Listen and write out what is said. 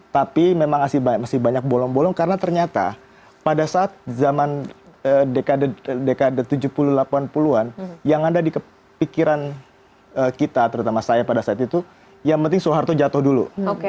tapi memang masih banyak bolong bolong karena ternyata pada saat zaman dekade tujuh puluh delapan puluh an yang ada di kepikiran kita terutama saya pada saat itu yang penting soeharto jatuh dulu